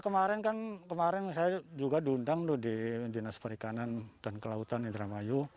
kemarin kan kemarin saya juga diundang di dinas perikanan dan kelautan indramayu